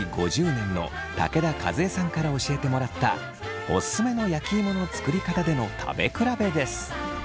５０年の武田和江さんから教えてもらったオススメの焼き芋の作りかたでの食べ比べです。